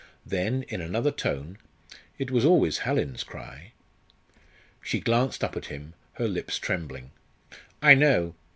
Then, in another tone "it was always Hallin's cry." She glanced up at him, her lips trembling. "I know.